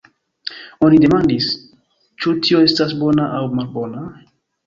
Oni demandis: Ĉu tio estas bona aŭ malbona?